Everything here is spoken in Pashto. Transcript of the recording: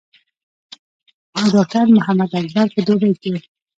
او ډاکټر محمد اکبر پۀ دوبۍ کښې